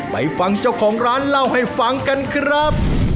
ไปฟังเจ้าของร้านเล่าให้ฟังกันครับ